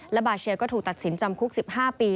และบาเชียก็ถูกตัดสินจำคุก๑๕ปี